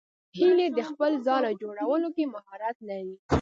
هیلۍ د خپل ځاله جوړولو کې مهارت لري